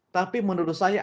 tapi menurut saya